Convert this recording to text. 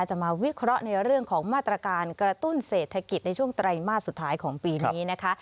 จะมาวิเคราะห์ในเรื่องของมาตรการกระตุ้นเศรษฐกิจในช่วงไตรมาสสุดท้ายของปีนี้นะคะ